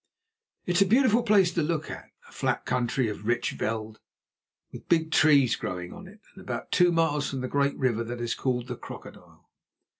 "It is a beautiful place to look at, a flat country of rich veld, with big trees growing on it, and about two miles from the great river that is called the Crocodile.